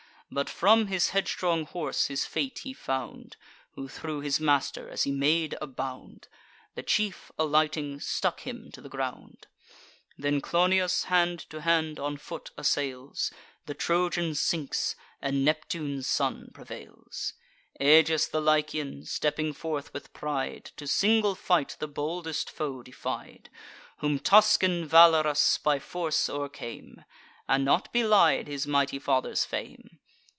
But from his headstrong horse his fate he found, Who threw his master, as he made a bound: The chief, alighting, stuck him to the ground; Then Clonius, hand to hand, on foot assails: The Trojan sinks, and Neptune's son prevails. Agis the Lycian, stepping forth with pride, To single fight the boldest foe defied; Whom Tuscan Valerus by force o'ercame, And not belied his mighty father's fame.